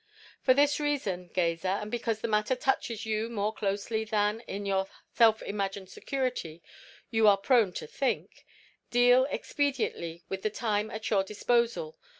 "For this reason, gazer, and because the matter touches you more closely than, in your self imagined security, you are prone to think, deal expediently with the time at your disposal.